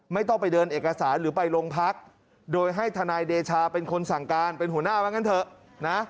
ไม่ต้องไปเดินเอกสารหรือไปโรงพักโดยให้ทนายเดชาเป็นคนสั่งการเป็นหัวหน้าว่างั้นเถอะนะ